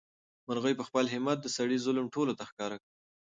مرغۍ په خپل همت د سړي ظلم ټولو ته ښکاره کړ.